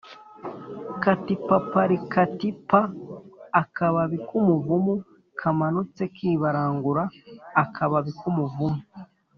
Kati papari kati pa !!-Akababi k'umuvumu. Kamanutse kibarangura-Akababi k'umuvumu.